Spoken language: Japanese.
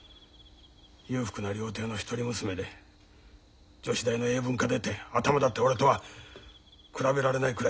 裕福な料亭の一人娘で女子大の英文科出て頭だって俺とは比べられないくらい切れる。